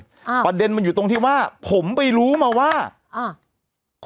อ่าประเด็นมันอยู่ตรงที่ว่าผมไปรู้มาว่าอ่า